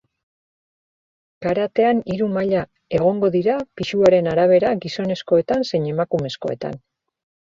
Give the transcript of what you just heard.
Karatean hiru maila egongo dira pisuaren arabera gizonezkoetan zein emakumezkoetan.